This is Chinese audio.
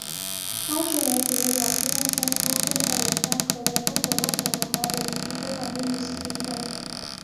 当时媒体也表示孟山都正在研发可在中国东北和华北地区推广的玉米新品种。